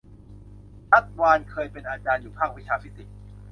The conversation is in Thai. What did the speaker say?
ชัชวาลเคยเป็นอาจารย์อยู่ภาควิชาฟิสิกส์